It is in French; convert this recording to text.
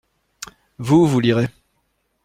Vous, vous lirez.